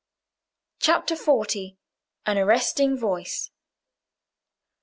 CHAPTER XL. An Arresting Voice.